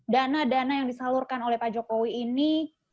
dana dana yang disalurkan oleh pak jokowi ini